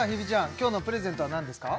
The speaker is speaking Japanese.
今日のプレゼントは何ですか？